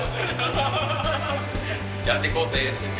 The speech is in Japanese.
やってこうぜっていうね。